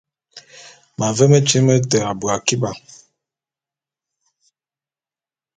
M’ave metyiñ mete melae abui akiba.